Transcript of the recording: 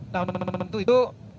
nah untuk itu